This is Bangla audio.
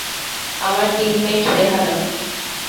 আমার টিমমেট রেহানা।